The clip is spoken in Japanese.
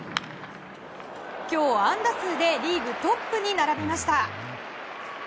今日、安打数でリーグトップに並びました。